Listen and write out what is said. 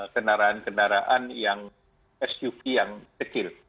kendaraan kendaraan yang suv yang kecil